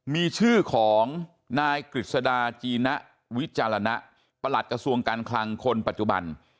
มีชื่อของนายกฤษดาจีนะวิจารณะประหลัดกระทรวงการคลังคนปัจจุบัน